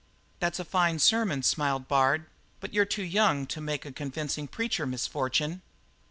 "That's a fine sermon," smiled Bard, "but you're too young to make a convincing preacher, Miss Fortune."